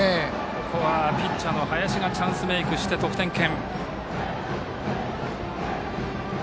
ここはピッチャーの林がチャンスメイクして得点圏。